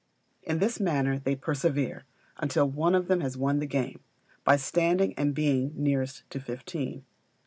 In this manner they persevere, until one of them has won the game, by standing and being nearest to fifteen.